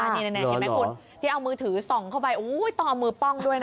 นี่เห็นไหมคุณที่เอามือถือส่องเข้าไปต้องเอามือป้องด้วยนะ